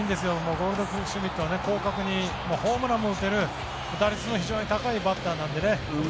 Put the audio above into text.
ゴールドシュミットは広角にホームランも打てる打率も非常に高いバッターなので。